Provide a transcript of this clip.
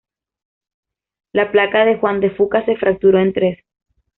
La placa de Juan de Fuca se fracturó en tres.